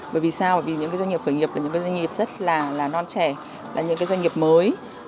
bởi vì sao bởi vì những doanh nghiệp khởi nghiệp là những doanh nghiệp rất là non trẻ là những cái doanh nghiệp mới